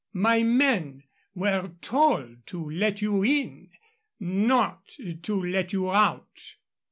My men were told to let you in not to let you out."